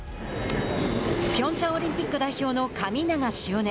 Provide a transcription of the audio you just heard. ピョンチャンオリンピック代表の神長汐音。